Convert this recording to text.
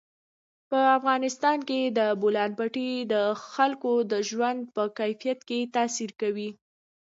په افغانستان کې د بولان پټي د خلکو د ژوند په کیفیت تاثیر کوي.